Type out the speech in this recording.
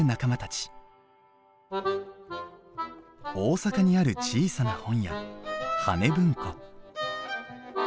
大阪にある小さな本屋葉ね文庫。